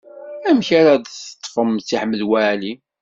Amek ara d-teṭṭfem Si Ḥmed Waɛli?